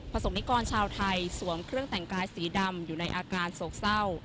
สกนิกรชาวไทยสวมเครื่องแต่งกายสีดำอยู่ในอาการโศกเศร้า